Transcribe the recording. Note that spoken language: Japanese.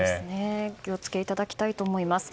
お気を付けいただきたいと思います。